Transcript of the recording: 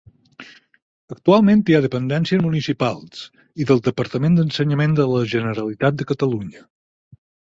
Actualment hi ha dependències municipals i del Departament d'Ensenyament de la Generalitat de Catalunya.